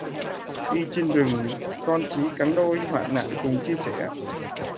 Đi trên rừng, con chí cắn đôi, hoạn nạn cùng chia xẻ